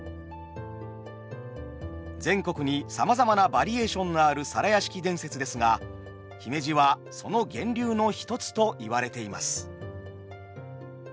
全国にさまざまなバリエーションのある皿屋敷伝説ですが姫路はその源流の一つと言われています。